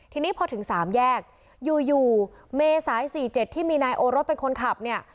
ทีนี้พอถึง๓แยกอยู่เมษาย๔๗ที่มีนายโอรสเป็นคนขับเนี่ย